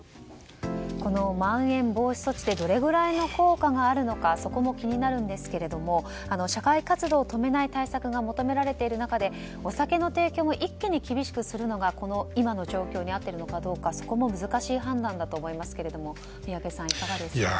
このまん延防止措置でどれくらいの効果があるのかそこも気になるんですが社会活動を止めない対策が求められている中でお酒の提供を一気に厳しくするのが今の状況に合っているのかどうかそこも難しい判断だと思いますが宮家さん、いかがですか？